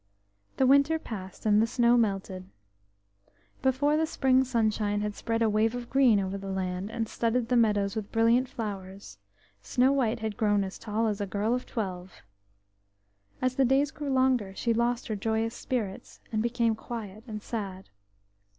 The winter passed, and the snow melted. Before the spring sunshine had spread a wave of green over the land, and studded the meadows with brilliant flowers, Snow white had grown as tall as a girl of twelve. As the days grew longer she lost her joyous spirits and became quiet and sad.